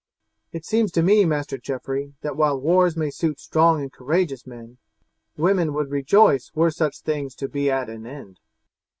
"It seems to me, Master Geoffrey, that while wars may suit strong and courageous men, women would rejoice were such things to be at an end."